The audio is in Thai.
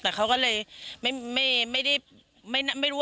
แต่เขาก็เลยไม่รู้ว่าเป็นอะไรยังไงคือเราไม่รู้